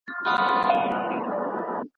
د قدرت لېږد به په سوله ېيز ډول ترسره سي.